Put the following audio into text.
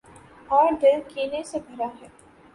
اوردل کینے سے بھراہے۔